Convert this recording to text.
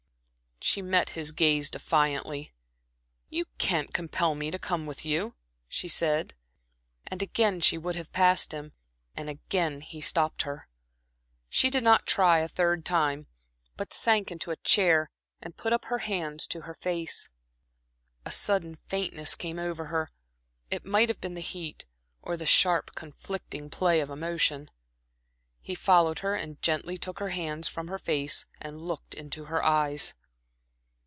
She met his gaze defiantly. "You can't compel me to come you know," she said. And again she would have passed him, and again he stopped her. She did not try a third time, but sank into a chair and put up her hands to her face. A sudden faintness came over her; it might have been the heat, or the sharp, conflicting play of emotion. He followed her and gently took her hands from her face and looked into her eyes.